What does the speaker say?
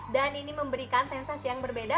dan ini memberikan sensasi yang berbeda